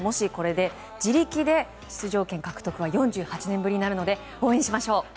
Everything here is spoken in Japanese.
自力で出場権獲得は４８年ぶりになるので応援しましょう！